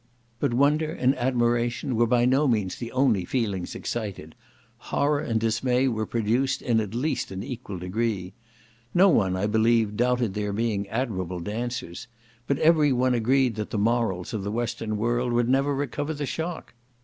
But wonder and admiration were by no means the only feelings excited; horror and dismay were produced in at least an equal degree. No one, I believe, doubted their being admirable dancers, but every one agreed that the morals of the Western world would never recover the shock.